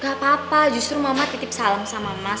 gak apa apa justru mama titip salam sama mas